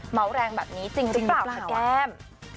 เม้าแรงแบบนี้จริงรึเปล่าค่ะแก้ม